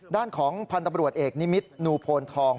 ด้านของพันธบรวจเอกนิมิตรนูโพนทอง